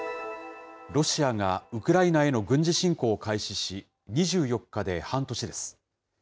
ロシアがウクライナへの軍事侵攻を開始し、２４日で半年です。